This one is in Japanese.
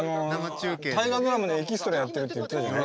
「大河ドラマ」のエキストラやってるって言ってたじゃない。